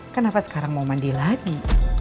kenapa sekarang mau mandi lagi